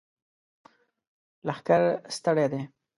لښکر ستړی دی!